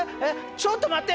ちょっと待って！